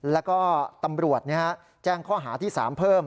แล้วก็ตำรวจแจ้งข้อหาที่๓เพิ่ม